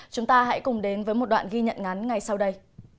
chúng ta hãy cùng đến với một đoạn ghi nhận ngắn ngay sau đây